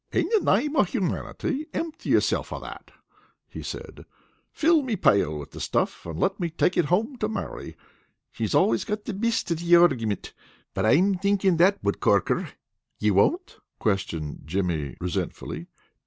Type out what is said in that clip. "In the name of humanity, impty yourself of that," he said. "Fill me pail with the stuff and let me take it home to Mary. She's always got the bist of the argumint, but I'm thinkin' that would cork her. You won't?" questioned Jimmy resentfully.